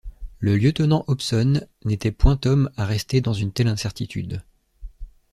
Le lieutenant Hobson n’était point homme à rester dans une telle incertitude!